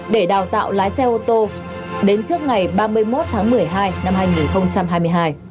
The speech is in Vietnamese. để đào tạo lái xe ô tô đến trước ngày ba mươi một tháng một mươi hai năm hai nghìn hai mươi hai